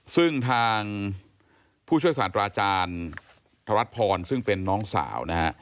ซึ่งทางผู้ช่วยศาสตราอาจารย์ธรัชพรซึ่งเป็นน้องสาวนะฮะ